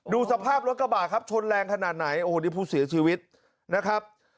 สภาพรถกระบะครับชนแรงขนาดไหนโอ้โหนี่ผู้เสียชีวิตนะครับ